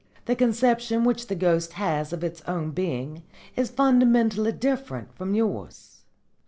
The conception which the ghost has of its own being is fundamentally different from yours.